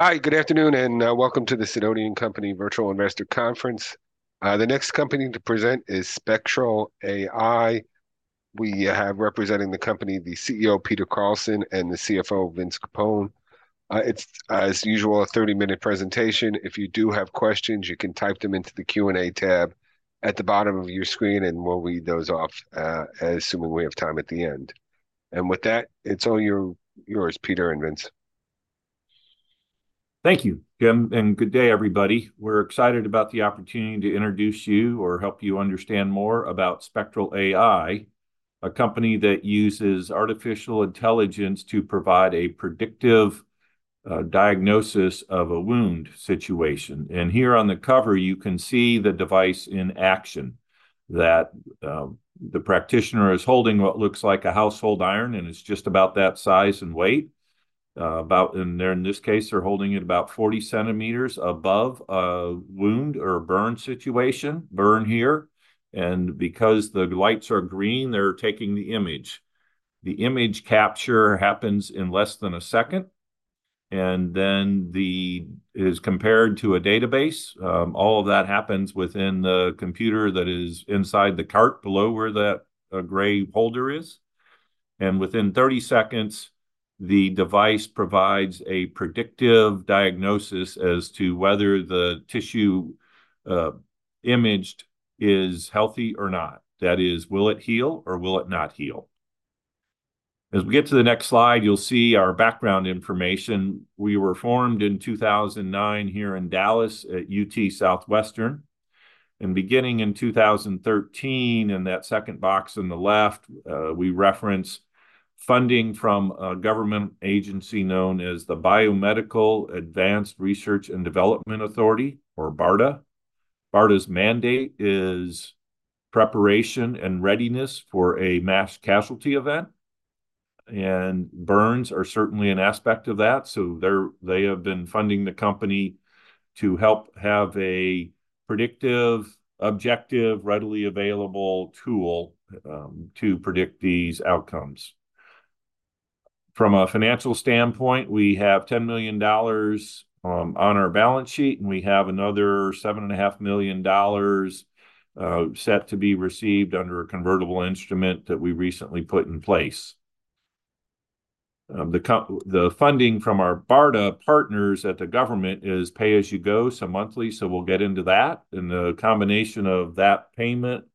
Hi, good afternoon, and welcome to the Sidoti & Company Virtual Investor Conference. The next company to present is Spectral AI. We have representing the company the CEO Peter Carlson and the CFO Vince Capone. It's, as usual, a 30-minute presentation. If you do have questions, you can type them into the Q&A tab at the bottom of your screen, and we'll read those off, assuming we have time at the end. And with that, it's all yours, Peter and Vince. Thank you, Jim, and good day, everybody. We're excited about the opportunity to introduce you or help you understand more about Spectral AI, a company that uses artificial intelligence to provide a predictive diagnosis of a wound situation. Here on the cover, you can see the device in action, that the practitioner is holding what looks like a household iron, and it's just about that size and weight. In this case, they're holding it about 40 centimeters above a wound or a burn situation, burn here. Because the lights are green, they're taking the image. The image capture happens in less than a second, and then it is compared to a database. All of that happens within the computer that is inside the cart below where that gray holder is. Within 30 seconds, the device provides a predictive diagnosis as to whether the tissue imaged is healthy or not. That is, will it heal or will it not heal? As we get to the next slide, you'll see our background information. We were formed in 2009 here in Dallas at UT Southwestern. Beginning in 2013, in that second box on the left, we reference funding from a government agency known as the Biomedical Advanced Research and Development Authority, or BARDA. BARDA's mandate is preparation and readiness for a mass casualty event. Burns are certainly an aspect of that, so they have been funding the company to help have a predictive, objective, readily available tool to predict these outcomes. From a financial standpoint, we have $10 million on our balance sheet, and we have another $7.5 million set to be received under a convertible instrument that we recently put in place. The funding from our BARDA partners at the government is pay-as-you-go, so monthly we'll get into that. And the combination of that payment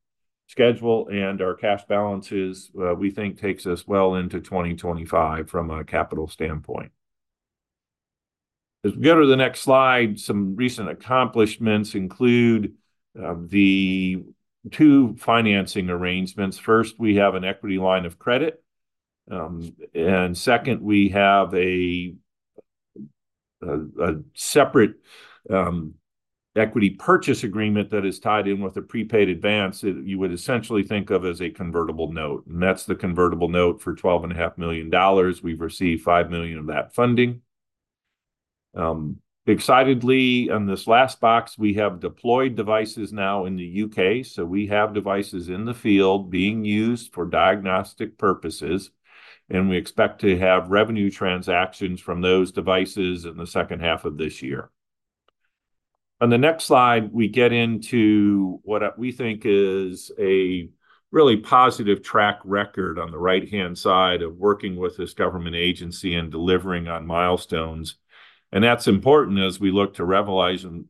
schedule and our cash balances, we think, takes us well into 2025 from a capital standpoint. As we go to the next slide, some recent accomplishments include the two financing arrangements. First, we have an equity line of credit. And second, we have a separate equity purchase agreement that is tied in with a prepaid advance that you would essentially think of as a convertible note and that's the convertible note for $12.5 million we've received $5 million of that funding. Excitedly, on this last box, we have deployed devices now in the U.K. We have devices in the field being used for diagnostic purposes. We expect to have revenue transactions from those devices in the second half of this year. On the next slide, we get into what we think is a really positive track record on the right-hand side of working with this government agency and delivering on milestones. That's important as we look to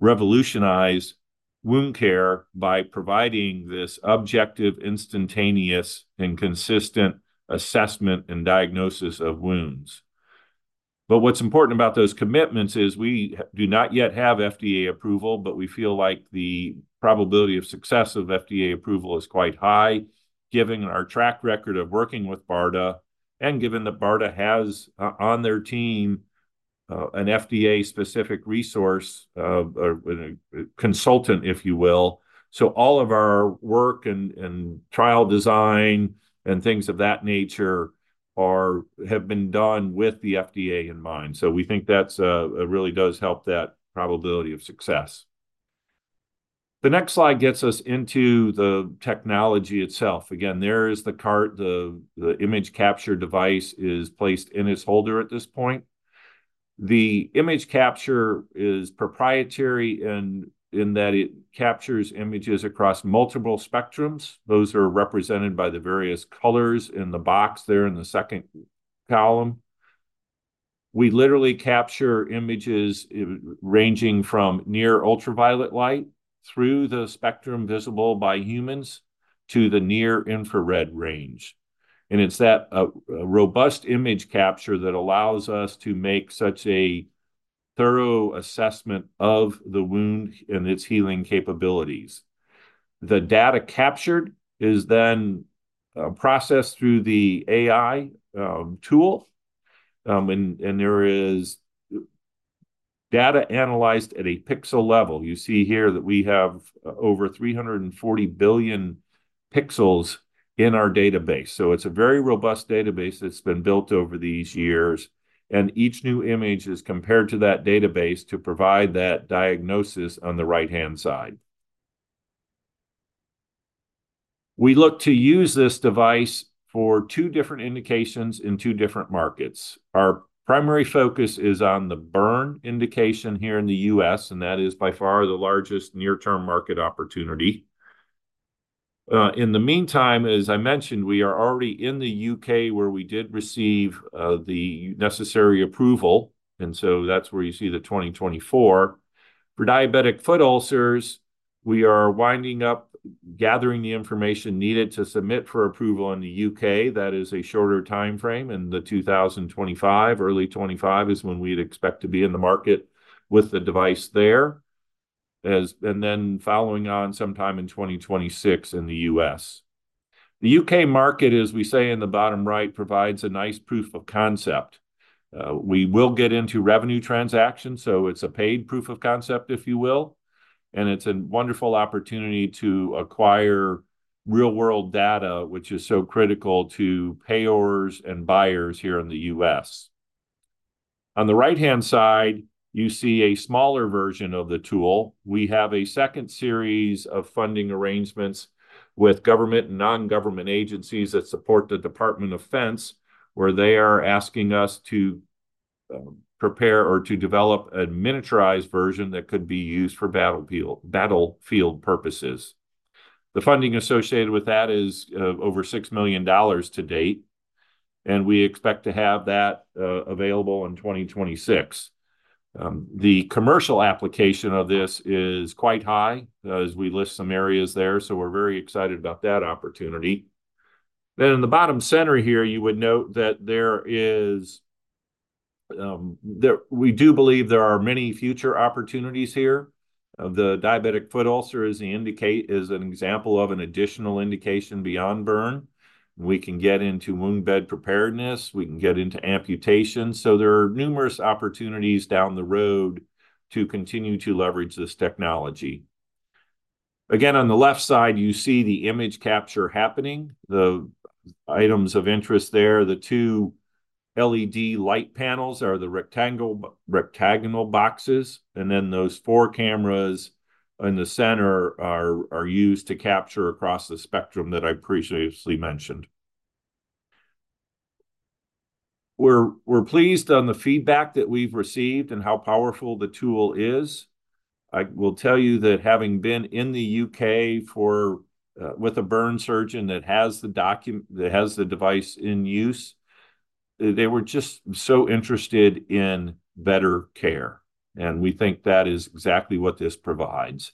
revolutionize wound care by providing this objective, instantaneous, and consistent assessment and diagnosis of wounds. But what's important about those commitments is we do not yet have FDA approval, but we feel like the probability of success of FDA approval is quite high, given our track record of working with BARDA and given that BARDA has on their team an FDA-specific resource or consultant, if you will. All of our work and trial design and things of that nature have been done with the FDA in mind we think that really does help that probability of success. The next slide gets us into the technology itself again, there is the cart the image capture device is placed in its holder at this point. The image capture is proprietary in that it captures images across multiple spectrums. Those are represented by the various colors in the box there in the second column. We literally capture images ranging from near ultraviolet light through the spectrum visible by humans to the near infrared range. And it's that robust image capture that allows us to make such a thorough assessment of the wound and its healing capabilities. The data captured is then processed through the AI tool, and there is data analyzed at a pixel level you see here that we have over 340 billion pixels in our database it's a very robust database that's been built over these years. Each new image is compared to that database to provide that diagnosis on the right-hand side. We look to use this device for two different indications in two different markets. Our primary focus is on the burn indication here in the U.S., and that is by far the largest near-term market opportunity. In the meantime, as I mentioned, we are already in the U.K. where we did receive the necessary approval, and so that's where you see the 2024. For diabetic foot ulcers, we are winding up gathering the information needed to submit for approval in the U.K. that is a shorter time frame, and the 2025, early 2025, is when we'd expect to be in the market with the device there, and then following on sometime in 2026 in the U.S. The U.K. market, as we say in the bottom right, provides a nice proof of concept. We will get into revenue transactions, it's a paid proof of concept, if you will. And it's a wonderful opportunity to acquire real-world data, which is so critical to payors and buyers here in the U.S. On the right-hand side, you see a smaller version of the tool. We have a second series of funding arrangements with government and non-government agencies that support the Department of Defense, where they are asking us to prepare or to develop a miniaturized version that could be used for battlefield purposes. The funding associated with that is over $6 million to date, and we expect to have that available in 2026. The commercial application of this is quite high, as we list some areas there, so we're very excited about that opportunity. Then in the bottom center here, you would note that we do believe there are many future opportunities here. The diabetic foot ulcer is an example of an additional indication beyond burn. We can get into wound bed preparedness. We can get into amputation there are numerous opportunities down the road to continue to leverage this technology. Again, on the left side, you see the image capture happening. The items of interest there, the two LED light panels, are the rectangle boxes, and then those four cameras in the center are used to capture across the spectrum that I previously mentioned. We're pleased on the feedback that we've received and how powerful the tool is. I will tell you that having been in the UK with a burn surgeon that has the device in use, they were just so interested in better care. We think that is exactly what this provides.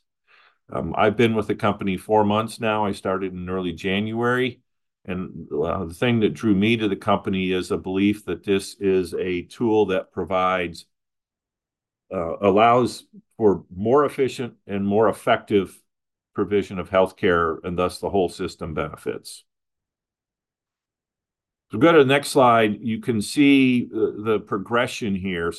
I've been with the company four months now i started in early January. The thing that drew me to the company is a belief that this is a tool that allows for more efficient and more effective provision of healthcare, and thus the whole system benefits. If we go to the next slide, you can see the progression here.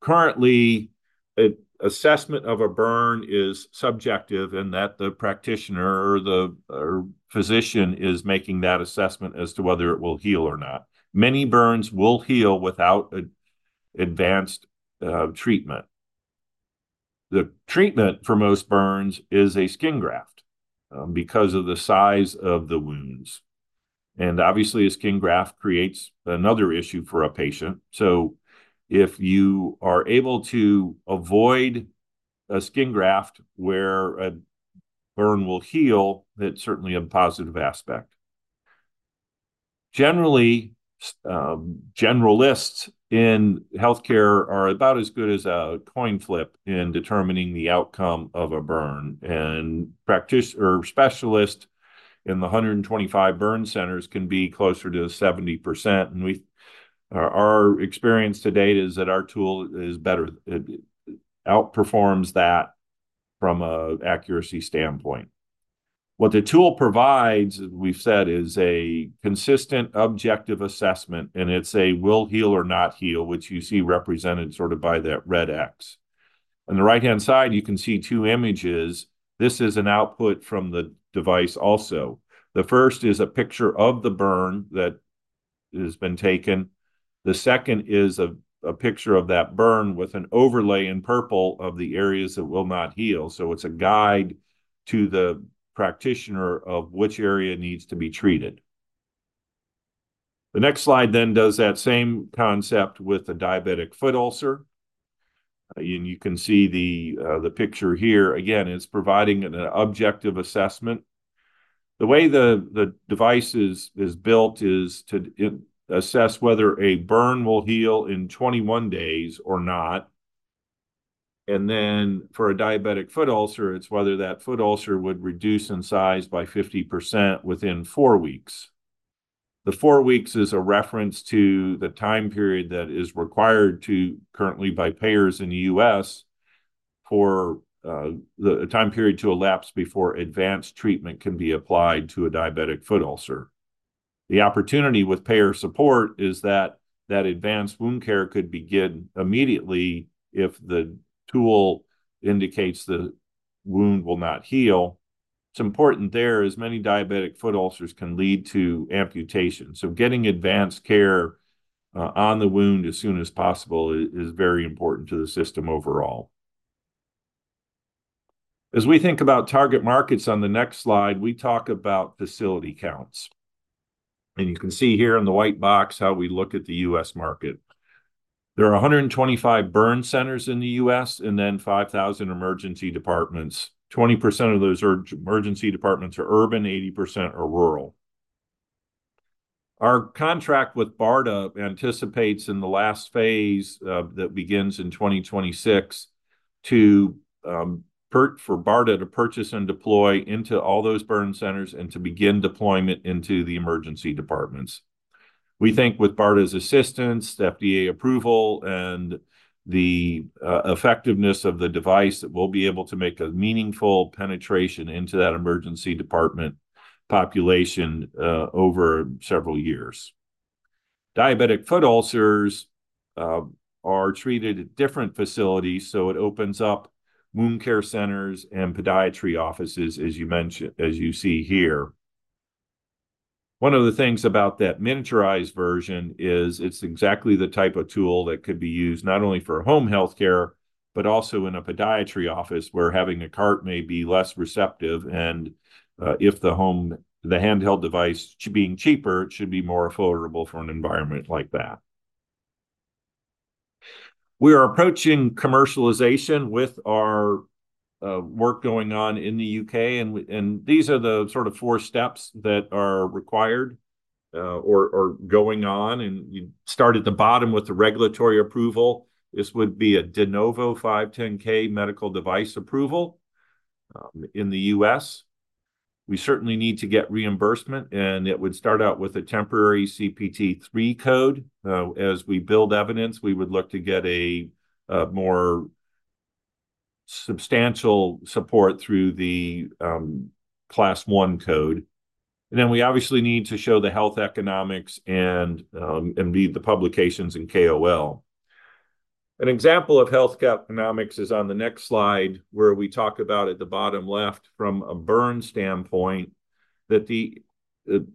Currently, an assessment of a burn is subjective in that the practitioner or physician is making that assessment as to whether it will heal or not. Many burns will heal without advanced treatment. The treatment for most burns is a skin graft because of the size of the wounds. Obviously, a skin graft creates another issue for a patient. If you are able to avoid a skin graft where a burn will heal, that's certainly a positive aspect. Generalists in healthcare are about as good as a coin flip in determining the outcome of a burn, and specialists in the 125 burn centers can be closer to 70%. Our experience to date is that our tool outperforms that from an accuracy standpoint. What the tool provides, as we've said, is a consistent objective assessment, and it's a will heal or not heal, which you see represented sort of by that red X. On the right-hand side, you can see two images. This is an output from the device also. The first is a picture of the burn that has been taken. The second is a picture of that burn with an overlay in purple of the areas that will not heal it's a guide to the practitioner of which area needs to be treated. The next slide then does that same concept with the diabetic foot ulcer. You can see the picture here again, it's providing an objective assessment. The way the device is built is to assess whether a burn will heal in 21 days or not. Then for a diabetic foot ulcer, it's whether that foot ulcer would reduce in size by 50% within four weeks. The four weeks is a reference to the time period that is required currently by payors in the U.S. for the time period to elapse before advanced treatment can be applied to a diabetic foot ulcer. The opportunity with payor support is that advanced wound care could begin immediately if the tool indicates the wound will not heal. What's important there is many diabetic foot ulcers can lead to amputation getting advanced care on the wound as soon as possible is very important to the system overall. As we think about target markets on the next slide, we talk about facility counts. You can see here in the white box how we look at the U.S. market. There are 125 burn centers in the U.S. and then 5,000 emergency departments. 20% of those emergency departments are urban, 80% are rural. Our contract with BARDA anticipates in the last phase that begins in 2026 for BARDA to purchase and deploy into all those burn centers and to begin deployment into the emergency departments. We think with BARDA's assistance, FDA approval, and the effectiveness of the device, that we'll be able to make a meaningful penetration into that emergency department population over several years. Diabetic foot ulcers are treated at different facilities it opens up wound care centers and podiatry offices, as you see here. One of the things about that miniaturized version is it's exactly the type of tool that could be used not only for home healthcare, but also in a podiatry office where having a cart may be less receptive. If the handheld device is being cheaper, it should be more affordable for an environment like that. We are approaching commercialization with our work going on in the UK and these are the sort of four steps that are required or going on and you start at the bottom with the regulatory approval. This would be a De Novo 510(k) medical device approval in the U.S. We certainly need to get reimbursement, and it would start out with a temporary CPT III code. As we build evidence, we would look to get a more substantial support through the CPT Category I code. Then we obviously need to show the health economics and meet the publications in KOL. An example of health economics is on the next slide where we talk about at the bottom left from a burn standpoint that DeepView,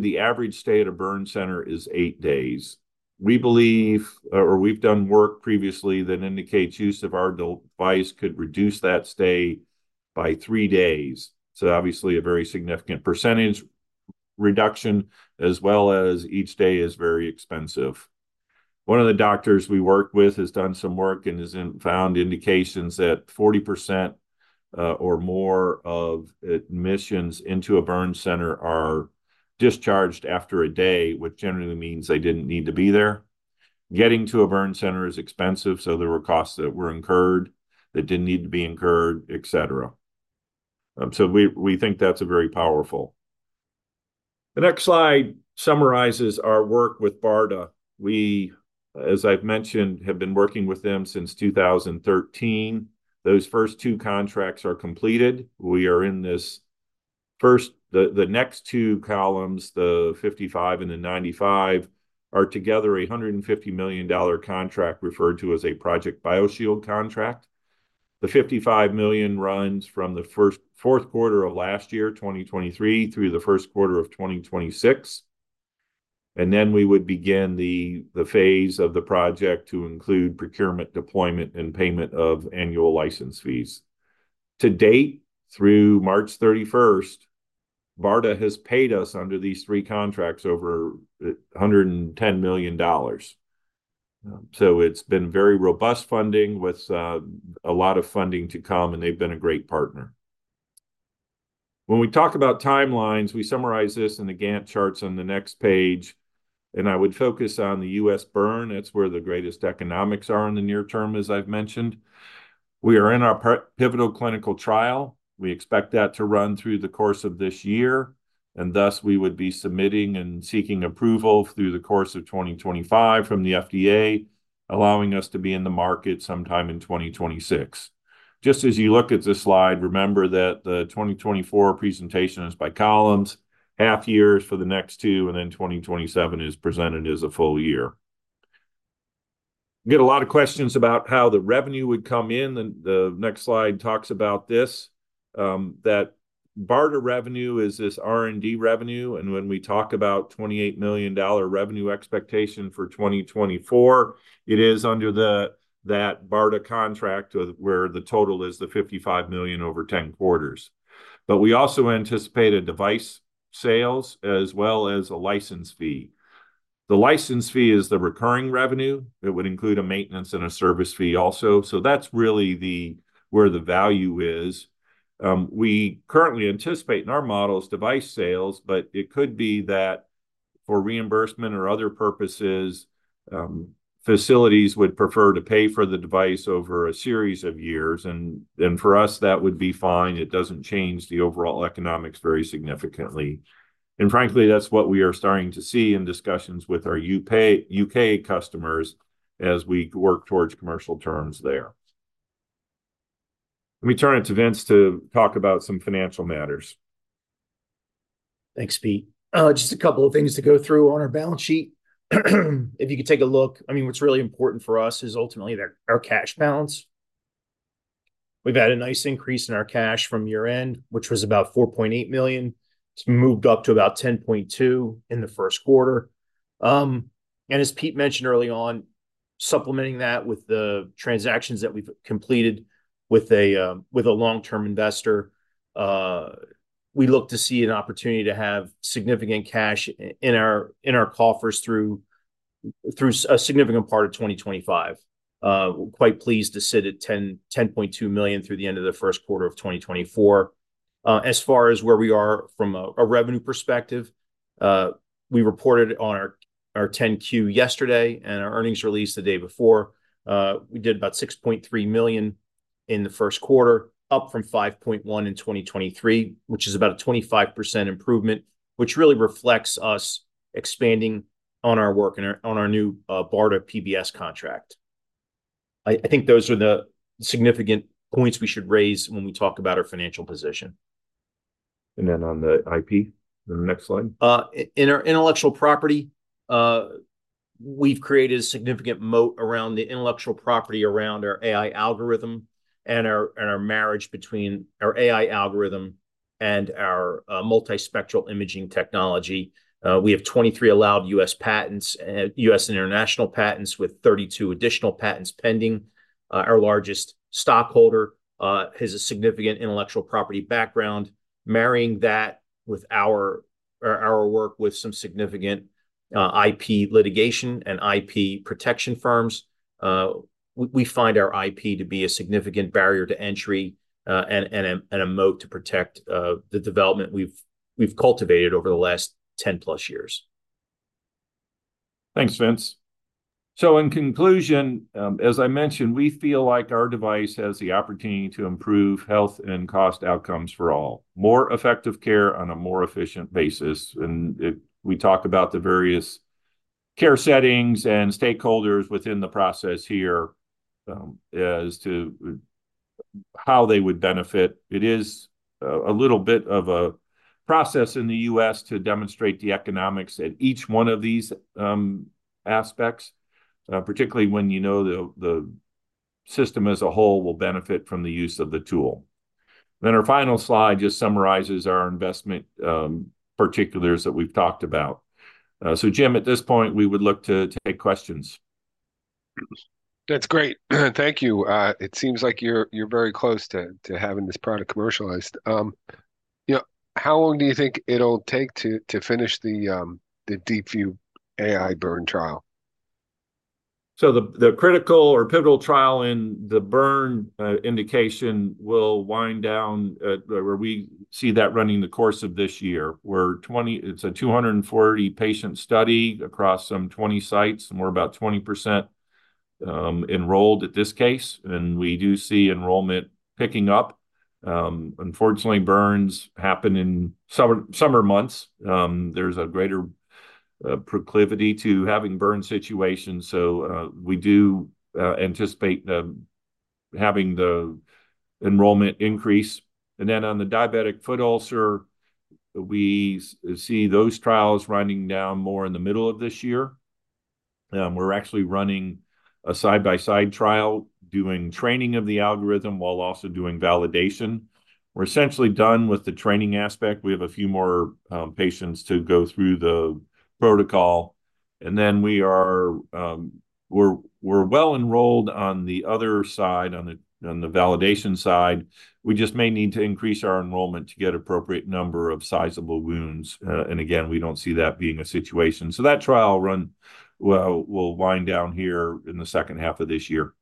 the average stay at a burn center is eight days. We believe, or we've done work previously that indicates use of our device could reduce that stay by three days. Obviously, a very significant percentage reduction, as well as each day is very expensive. One of the doctors we work with has done some work and has found indications that 40% or more of admissions into a burn center are discharged after a day, which generally means they didn't need to be there. Getting to a burn center is expensive there were costs that were incurred that didn't need to be incurred, etc. We think that's very powerful. The next slide summarizes our work with BARDA. We, as I've mentioned, have been working with them since 2013. Those first two contracts are completed. We are in this first the next two columns, the $55 million and the $95 million, are together a $150 million contract referred to as a Project BioShield contract. The $55 million runs from the Q4 of last year, 2023, through the Q1 of 2026. Then we would begin the phase of the project to include procurement, deployment, and payment of annual license fees. To date, through March 31st, BARDA has paid us under these three contracts over $110 million. It's been very robust funding with a lot of funding to come, and they've been a great partner. When we talk about timelines, we summarize this in the Gantt charts on the next page. I would focus on the U.S. burn. That's where the greatest economics are in the near term, as I've mentioned. We are in our pivotal clinical trial. We expect that to run through the course of this year. Thus, we would be submitting and seeking approval through the course of 2025 from the FDA, allowing us to be in the market sometime in 2026. Just as you look at this slide, remember that the 2024 presentation is by columns. Half years for the next two, and then 2027 is presented as a full year. We get a lot of questions about how the revenue would come in the next slide talks about this, that BARDA revenue is this R&D revenue when we talk about $28 million revenue expectation for 2024, it is under that BARDA contract where the total is the $55 million over 10 quarters. We also anticipate a device sales as well as a license fee. The license fee is the recurring revenue. It would include a maintenance and a service fee also. That's really where the value is. We currently anticipate in our models device sales, but it could be that for reimbursement or other purposes, facilities would prefer to pay for the device over a series of years. For us, that would be fine it doesn't change the overall economics very significantly. Frankly, that's what we are starting to see in discussions with our UK customers as we work towards commercial terms there. Let me turn it to Vince to talk about some financial matters. Thanks, Pete. Just a couple of things to go through on our balance sheet. If you could take a look, I mean, what's really important for us is ultimately our cash balance. We've had a nice increase in our cash from year-end, which was about $4.8 million. It's moved up to about $10.2 million in the Q1. And as Pete mentioned early on, supplementing that with the transactions that we've completed with a long-term investor, we look to see an opportunity to have significant cash in our coffers through a significant part of 2025. We're quite pleased to sit at $10.2 million through the end of the Q1 of 2024. As far as where we are from a revenue perspective, we reported on our 10-Q yesterday and our earnings release the day before. We did about $6.3 million in the Q1, up from $5.1 million in 2023, which is about a 25% improvement, which really reflects us expanding on our work and on our new BARDA PBS contract. I think those are the significant points we should raise when we talk about our financial position. And then on the IP, on the next slide? In our intellectual property, we've created a significant moat around the intellectual property around our AI algorithm and our marriage between our AI algorithm and our multispectral imaging technology. We have 23 allowed U.S. patents, U.S. and international patents, with 32 additional patents pending. Our largest stockholder has a significant intellectual property background. Marrying that with our work with some significant IP litigation and IP protection firms, we find our IP to be a significant barrier to entry and a moat to protect the development we've cultivated over the last 10+ years. Thanks, Vince. In conclusion, as I mentioned, we feel like our device has the opportunity to improve health and cost outcomes for all, more effective care on a more efficient basis. We talk about the various care settings and stakeholders within the process here as to how they would benefit it is a little bit of a process in the U.S. to demonstrate the economics at each one of these aspects, particularly when you know the system as a whole will benefit from the use of the tool. Our final slide just summarizes our investment particulars that we've talked about. Jim, at this point, we would look to take questions. That's great. Thank you. It seems like you're very close to having this product commercialized. How long do you think it'll take to finish the DeepView AI burn trial? The critical or pivotal trial in the burn indication will wind down where we see that running the course of this year it's a 240-patient study across some 20 sites, and we're about 20% enrolled at this case. We do see enrollment picking up. Unfortunately, burns happen in summer months. There's a greater proclivity to having burn situations. We do anticipate having the enrollment increase. Then on the diabetic foot ulcer, we see those trials running down more in the middle of this year. We're actually running a side-by-side trial, doing training of the algorithm while also doing validation. We're essentially done with the training aspect we have a few more patients to go through the protocol. Then we're well enrolled on the other side, on the validation side. We just may need to increase our enrollment to get an appropriate number of sizable wounds. Again, we don't see that being a situation that trial will wind down here in the second half of this year.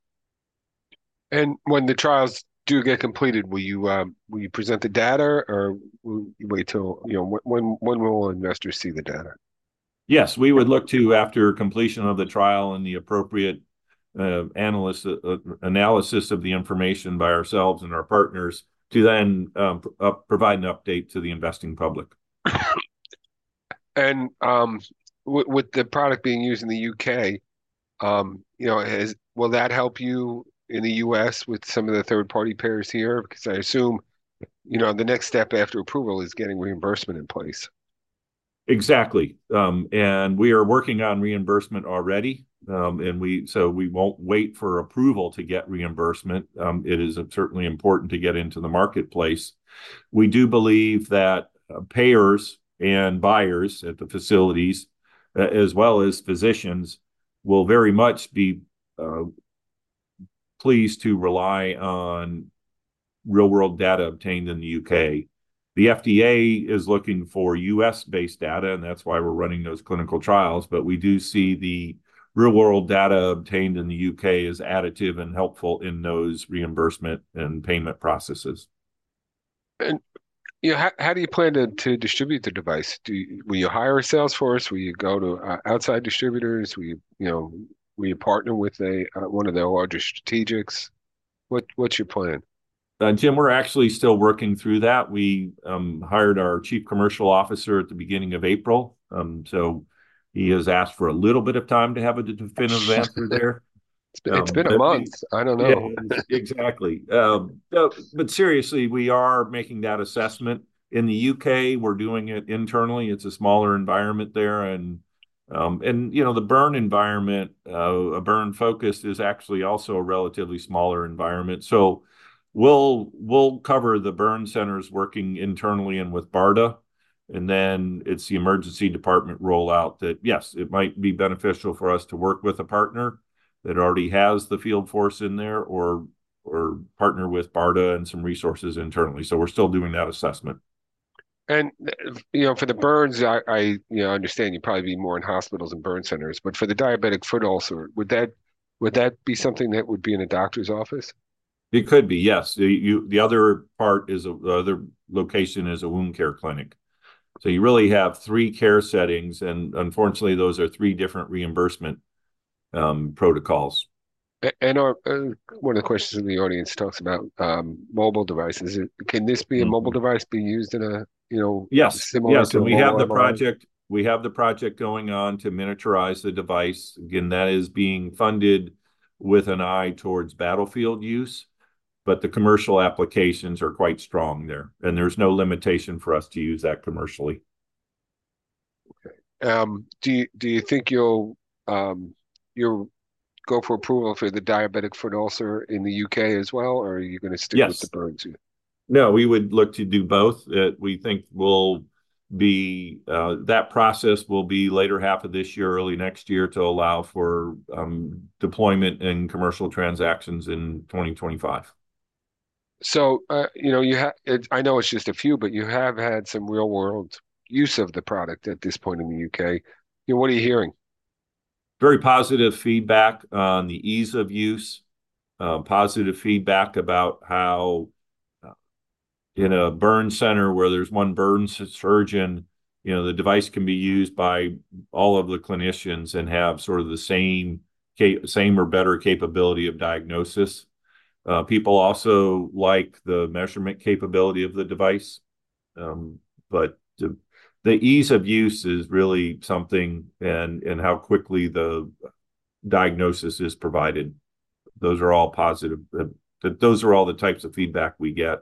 When the trials do get completed? will you present the data, or will you wait till when will investors see the data? Yes, we would look to, after completion of the trial and the appropriate analysis of the information by ourselves and our partners, to then provide an update to the investing public. With the product being used in the U.K., will that help you in the U.S. with some of the third-party payers here? Because I assume the next step after approval is getting reimbursement in place. Exactly. We are working on reimbursement already. We won't wait for approval to get reimbursement it is certainly important to get into the marketplace. We do believe that payers and buyers at the facilities, as well as physicians, will very much be pleased to rely on real-world data obtained in the U.K. The FDA is looking for U.S.-based data, and that's why we're running those clinical trials we do see the real-world data obtained in the U.K. as additive and helpful in those reimbursement and payment processes. How do you plan to distribute the device? Will you hire sales force? Will you go to outside distributors? Will you partner with one of the larger strategics? What's your plan? Jim, we're actually still working through that. We hired our chief commercial officer at the beginning of April. He has asked for a little bit of time to have a definitive answer there. It's been a month. I don't know. Exactly. Seriously, we are making that assessment. In the UK, we're doing it internally it's a smaller environment there. The burn environment, a burn-focused, is actually also a relatively smaller environment. We'll cover the burn centers working internally and with BARDA. Then it's the emergency department rollout that, yes, it might be beneficial for us to work with a partner that already has the field force in there or partner with BARDA and some resources internally we're still doing that assessment. For the burns, I understand you'd probably be more in hospitals and burn centers for the Diabetic Foot Ulcer, would that be something that would be in a doctor's office? It could be, yes. The other part is the other location is a wound care clinic. You really have three care settings. Unfortunately, those are three different reimbursement protocols. One of the questions in the audience talks about mobile devices. Can this be a mobile device being used in a similar format? Yes. And we have the project going on to miniaturize the device. Again, that is being funded with an eye towards battlefield use. But the commercial applications are quite strong there. And there's no limitation for us to use that commercially. Do you think you'll go for approval for the Diabetic Foot Ulcer in the U.K. as well, or are you going to stick with the burns? No, we would look to do both. We think that process will be later half of this year, early next year, to allow for deployment and commercial transactions in 2025. I know it's just a few, but you have had some real-world use of the product at this point in the UK. What are you hearing? Very positive feedback on the ease of use. Positive feedback about how in a burn center where there's one burn surgeon, the device can be used by all of the clinicians and have sort of the same or better capability of diagnosis. People also like the measurement capability of the device. The ease of use is really something and how quickly the diagnosis is provided. Those are all positive. Those are all the types of feedback we get.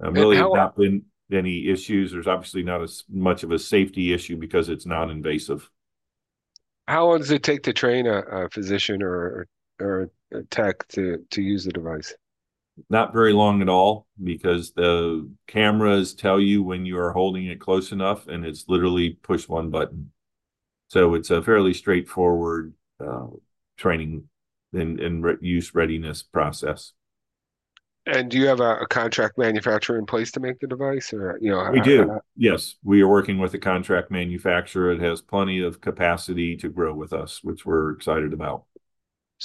Really, not been any issues there's obviously not as much of a safety issue because it's non-invasive. How long does it take to train a physician or a tech to use the device? Not very long at all because the cameras tell you when you are holding it close enough, and it's literally push one button. It's a fairly straightforward training and use readiness process. Do you have a contract manufacturer in place to make the device, or how does that? We do. Yes. We are working with a contract manufacturer it has plenty of capacity to grow with us, which we're excited about.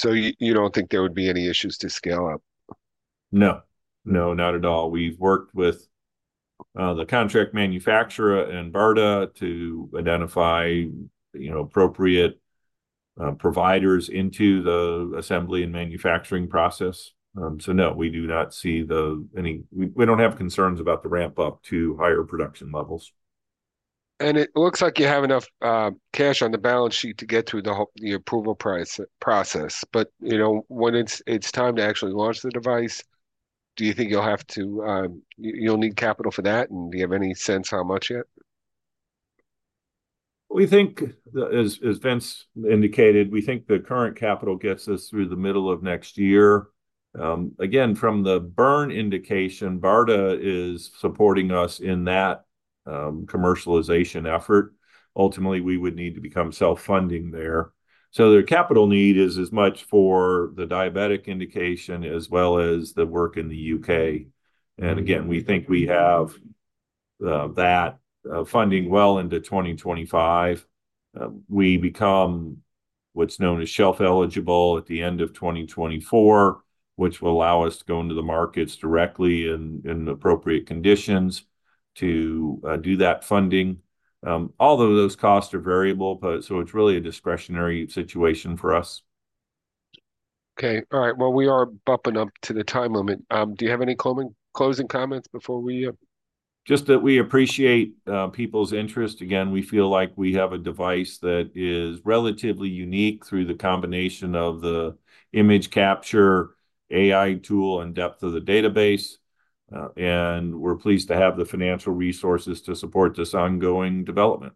You don't think there would be any issues to scale up? No, not at all we've worked with the contract manufacturer and BARDA to identify appropriate providers into the assembly and manufacturing process. We do not see any we don't have concerns about the ramp-up to higher production levels. It looks like you have enough cash on the balance sheet to get through the approval process. When it's time to actually launch the device, do you think you'll need capital for that? Do you have any sense how much yet? We think, as Vince indicated, we think the current capital gets us through the middle of next year. Again, from the burn indication, BARDA is supporting us in that commercialization effort. Ultimately, we would need to become self-funding there. Their capital need is as much for the diabetic indication as well as the work in the U.K. And again, we think we have that funding well into 2025. We become what's known as shelf-eligible at the end of 2024, which will allow us to go into the markets directly in appropriate conditions to do that funding. Although those costs are variable it's really a discretionary situation for us. Okay. All right. Well, we are bumping up to the time limit. Do you have any closing comments before we? Just that we appreciate people's interest again, we feel like we have a device that is relatively unique through the combination of the image capture AI tool and depth of the database. And we're pleased to have the financial resources to support this ongoing development.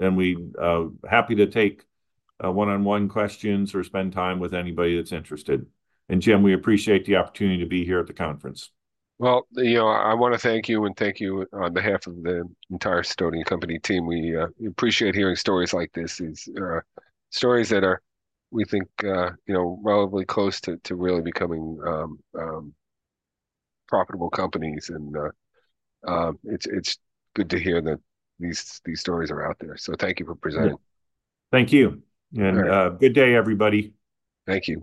And we're happy to take one-on-one questions or spend time with anybody that's interested. And Jim, we appreciate the opportunity to be here at the conference. Well, I want to thank you and thank you on behalf of the entire Sidoti & Company team. We appreciate hearing stories like this. These are stories that we think are relatively close to really becoming profitable companies. It's good to hear that these stories are out there. Thank you for presenting. Thank you. And good day, everybody. Thank you.